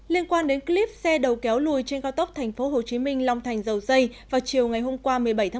liên quan đến clip xe đầu kéo lùi trên cao tốc tp hcm long thành dầu dây vào chiều ngày hôm qua một mươi bảy tháng một mươi